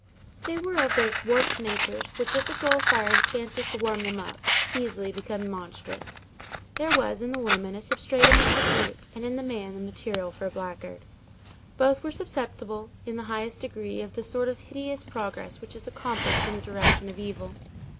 They were of those dwarfed natures which, if a dull fire chances to warm them up, easily become monstrous. There was in the woman a substratum of the brute, and in the man the material for a blackguard. Both were susceptible, in the highest degree, of the sort of hideous progress which is accomplished in the direction of evil.